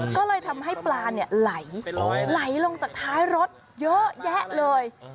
ก็เลยทำให้ปลาไหลลงจากท้ายรถเยอะแยะเลย